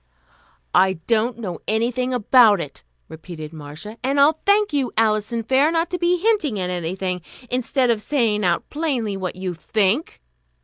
"I don't know anything about it," repeated Marcia, "and I'll thank you, Alison Fair, not to be hinting at anything, instead of saying out plainly what you think."